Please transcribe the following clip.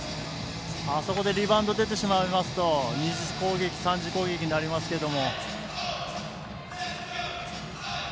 あそこでリバウンド出てしまいますと２次攻撃、３次攻撃になりますけど。